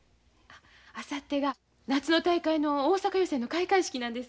あさってが夏の大会の大阪予選の開会式なんです。